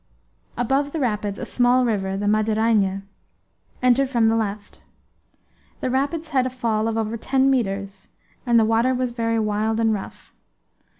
Above the rapids a small river, the Madeirainha, entered from the left. The rapids had a fall of over ten metres, and the water was very wild and rough.